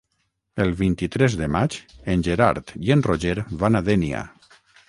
El vint-i-tres de maig en Gerard i en Roger van a Dénia.